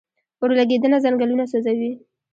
اورلګیدنه ځنګلونه سوځوي